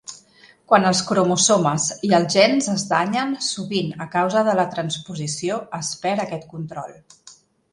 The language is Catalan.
Quan els cromosomes i els gens es danyen, sovint a causa de la transposició, es perd aquest control.